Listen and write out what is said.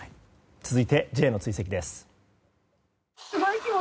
続いてＪの追跡です。